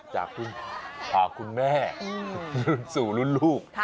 จากรุ่นขาคุณแม่รุ่นสู่รุ่นลูก